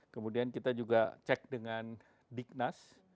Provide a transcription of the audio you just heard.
kemudian kita juga cek dengan dignas